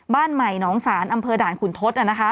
บ้านใหม่หนองศาลอำเภอด่านขุนทศ